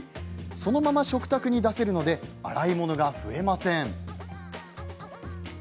そのまま食卓に出せるので洗い物が増えません。